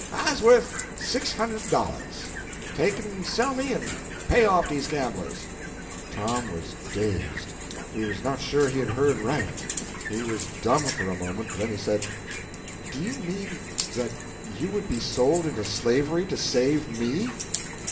I's wuth six hund'd dollahs. Take en sell me, en pay off dese gamblers." Tom was dazed. He was not sure he had heard aright. He was dumb for a moment; then he said: "Do you mean that you would be sold into slavery to save me?"